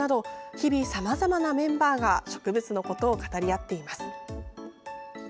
日々、さまざまなメンバーが植物のことを語り合っています。